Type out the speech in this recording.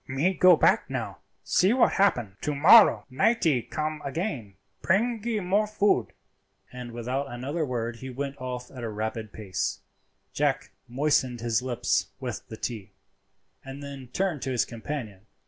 "Me go back now, see what happen. To mollow nightee come again—bringee more food." And without another word he went off at a rapid pace. Jack moistened his lips with the tea, and then turned to his companion.